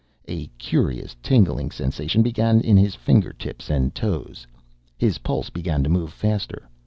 A curious, tingling sensation began in his finger tips and toes. His pulse began to move faster.